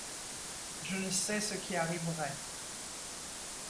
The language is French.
Je ne sais ce qui arriverait.